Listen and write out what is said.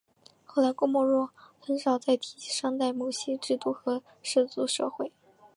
后来郭沫若很少再提及商代的母系制度和氏族社会。